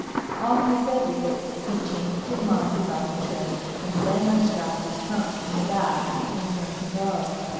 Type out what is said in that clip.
All he said was that he'd changed his mind about the trip, and then unstrapped his trunk from the back and turned to go.